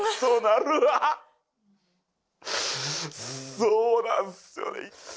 そうなんすよね。